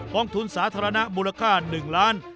องทุนสาธารณะมูลค่า๑ล้าน